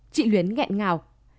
chị luyến nghẹn ngào